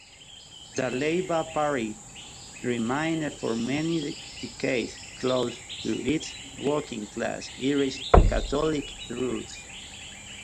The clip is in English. The Labor Party remained for many decades close to its working-class Irish Catholic roots.